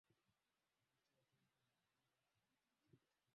Harusi yao iko jumamosi